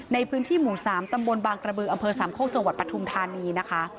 ในพื้นที่หมู่๓ตำบลบางกระบืออำเภอสามโคกจังหวัดปทุมธานีนะคะ